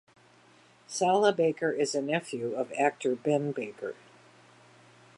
Sala Baker is a nephew of actor Ben Baker.